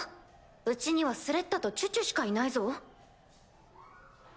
うちにはスレッタとチュチュしかいないぞ。